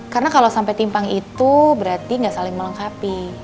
karena kalau sampai timpang itu berarti gak saling melengkapi